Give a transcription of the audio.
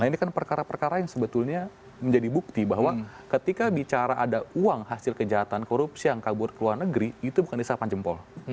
nah ini kan perkara perkara yang sebetulnya menjadi bukti bahwa ketika bicara ada uang hasil kejahatan korupsi yang kabur ke luar negeri itu bukan disahkan jempol